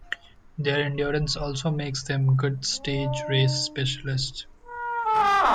Their endurance also makes them good stage race specialists.